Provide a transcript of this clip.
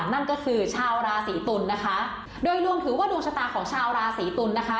นั่นก็คือชาวราศีตุลนะคะโดยรวมถือว่าดวงชะตาของชาวราศีตุลนะคะ